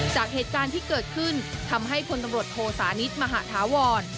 จากเหตุการณ์ที่เกิดขึ้นทำให้พลตำรวจโทสานิทมหาธาวร